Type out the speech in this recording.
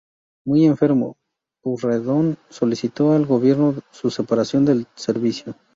Muy enfermo, Pueyrredón solicitó al gobierno su separación del servicio.